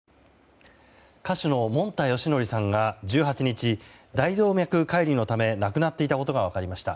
歌手のもんたよしのりさんが１８日大動脈解離のため亡くなっていたことが分かりました。